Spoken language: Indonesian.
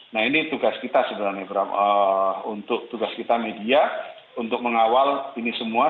nah ini tugas kita sebenarnya bram untuk tugas kita media untuk mengawal ini semua